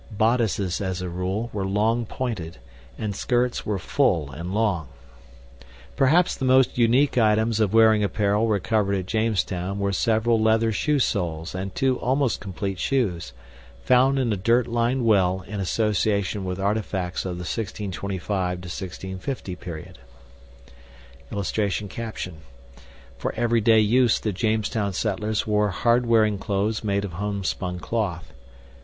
Bodices, as a rule, were long pointed, and skirts were full and long. Perhaps the most unique items of wearing apparel recovered at Jamestown were several leather shoe soles and two almost complete shoes, found in a dirtlined well in association with artifacts of the 1625 50 period. [Illustration: FOR EVERYDAY USE THE JAMESTOWN SETTLERS WORE HARDWEARING CLOTHES MADE OF HOMESPUN CLOTH.